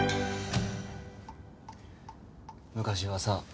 昔はさ